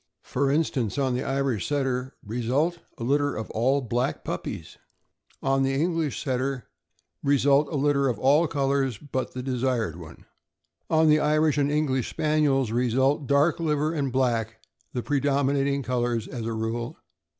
For instance, on the Irish Setter; result, a litter of all black puppies. On the English Setter; result, a litter of all colors but the 368 THE AMERICAN BOOK OF THE DOG. desired one. On the Irish and English Spaniels; result, dark liver and black the predominating colors, as a rule.